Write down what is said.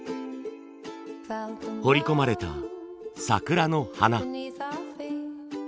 彫り込まれた桜の花。